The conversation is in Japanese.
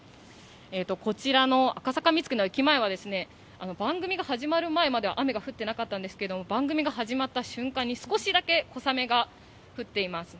こちらの赤坂見附の駅前は番組の始まる前までは雨が降っていなかったんですが番組が始まった瞬間に少しだけ小雨が降っています。